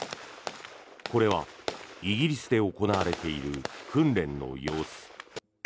これはイギリスで行われている訓練の様子。